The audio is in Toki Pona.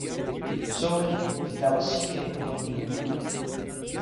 soweli li tawa sike lon lupa.